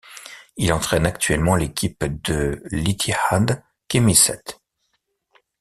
Il entraîne actuellement l’équipe de l'Ittihad Khémisset.